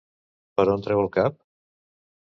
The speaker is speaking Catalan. Per on treu el cap?